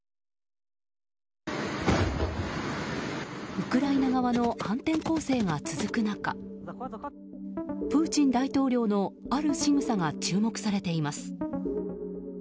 ウクライナ側の反転攻勢が続く中プーチン大統領のあるしぐさが注目されています。